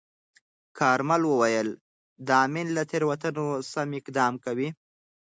کارمل وویل، د امین له تیروتنو سم اقدام کوي.